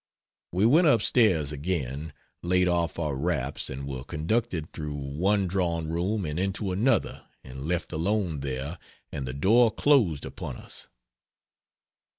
We went up stairs again laid off our wraps, and were conducted through one drawing room and into another, and left alone there and the door closed upon us.